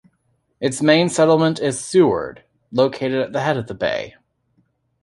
Its main settlement is Seward, located at the head of the bay.